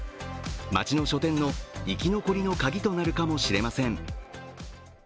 町の書店の生き残りのカギとなるかもしれません。